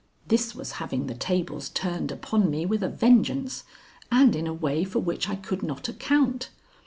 This was having the tables turned upon me with a vengeance and in a way for which I could not account.